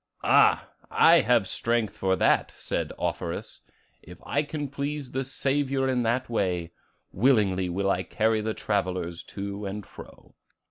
'Ah, I have strength for that!' said Offerus. 'If I can please the Saviour in that way, willingly will I carry the travellers to and fro.